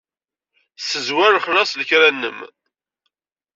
Ssezwer lexlaṣ n lekra-nnem.